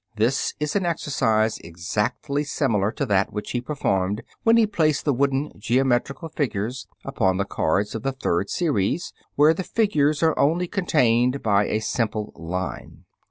This is an exercise exactly similar to that which he performed when he placed the wooden geometrical figures upon the cards of the third series, where the figures are only contained by a simple line.